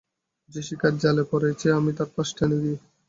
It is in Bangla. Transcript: যে-শিকার জালে পড়েইছে আমি তার ফাঁস টেনে দিই।